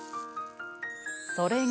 それが